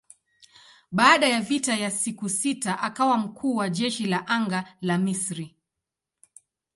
Baada ya vita ya siku sita akawa mkuu wa jeshi la anga la Misri.